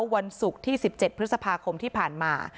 วันศุกร์ที่๑๗พฤษภาคมที่ผ่านมา